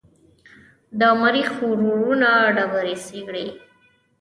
د مریخ روورونه ډبرې څېړي.